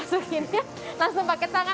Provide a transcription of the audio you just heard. langsung pakai tangan masuk ke dalam minyaknya